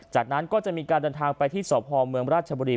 จากนั้นก็จะมีการเดินทางไปที่สพเมืองราชบุรี